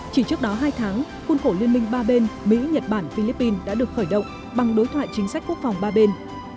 chỉ trước đó hai tháng khuôn khổ liên minh ba bên mỹ nhật bản philippines đã được khởi động bằng đối thoại chính sách quốc phòng ba bên